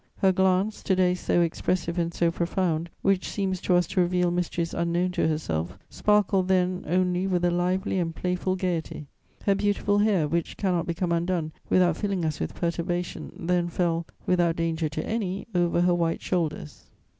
Her glance, to day so expressive and so profound, which seems to us to reveal mysteries unknown to herself, sparkled then only with a lively and playful gaiety. Her beautiful hair, which cannot become undone without filling us with perturbation, then fell, without danger to any, over her white shoulders.